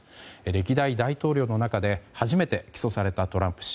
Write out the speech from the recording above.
歴代大統領の中で初めて起訴されたトランプ氏。